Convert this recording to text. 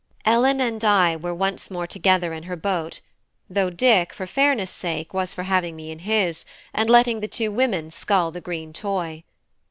Ellen and I were once more together in her boat, though Dick, for fairness' sake, was for having me in his, and letting the two women scull the green toy.